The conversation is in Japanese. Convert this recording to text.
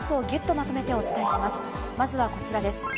まずはこちらです。